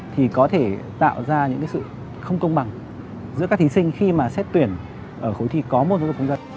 thì có thể tạo ra những sự không công bằng giữa các thí sinh khi mà xét tuyển ở khối thi có môn giáo dục công dân